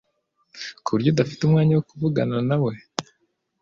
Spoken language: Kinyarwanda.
ku buryo adafite umwanya wo kuvugana na we.